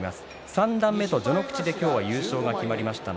三段目と序ノ口で今日、優勝が決まりました。